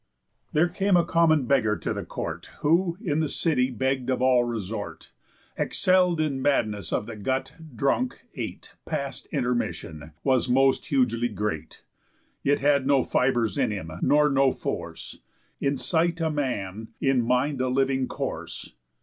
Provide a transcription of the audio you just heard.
There came a common beggar to the court, Who in the city begg'd of all resort, Excell'd in madness of the gut, drunk, ate, Past intermission, was most hugely great, Yet had no fibres in him nor no force, In sight a man, in mind a living corse.